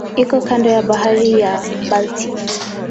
Iko kando ya Bahari ya Baltiki.